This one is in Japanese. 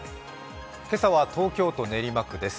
今朝は東京都練馬区です。